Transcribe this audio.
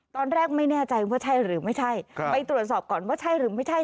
ตอนแรกไม่แน่ใจว่าใช่หรือไม่ใช่ไปตรวจสอบก่อนว่าใช่หรือไม่ใช่